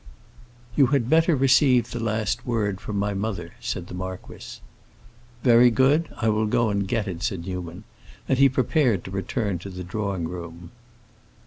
"You had better receive the last word from my mother," said the marquis. "Very good; I will go and get it," said Newman; and he prepared to return to the drawing room.